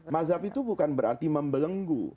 mazhab itu bukan berarti membelenggu